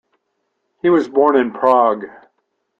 He was born in Prague.